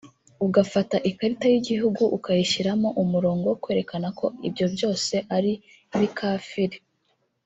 ugafata ikarita y’igihugu ukayishyiramo umurongo wo kwerekana ko ibyo byose ari ibikafiri